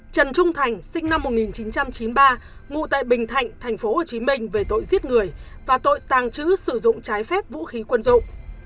trần trung thành sinh năm một nghìn chín trăm chín mươi ba ngụ tại bình thạnh thành phố hồ chí minh về tội giết người và tội tàng trữ sử dụng trái phép vũ khí quân dụng